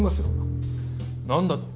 何だと？